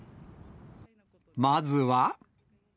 まずは。